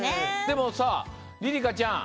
でもさりりかちゃん